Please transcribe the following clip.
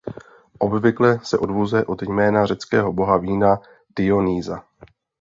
Obvykle se odvozuje od jména řeckého boha vína Dionýsa.